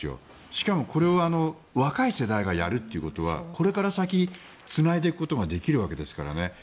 しかも、これを若い世代がやるということはこれから先につないでいくことができるわけですからね。